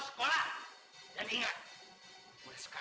saya juga bersyukur